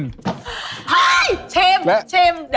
เชฟเชฟเดี๋ยวเราได้เต็ม